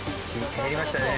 減りましたね。